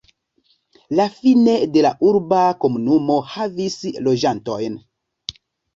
La Fine de la urba komunumo havis loĝantojn.